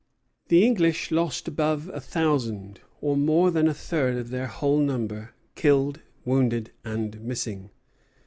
The English lost above a thousand, or more than a third of their whole number, killed, wounded, and missing.